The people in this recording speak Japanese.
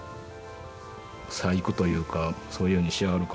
細工というかそういうふうにしはるから。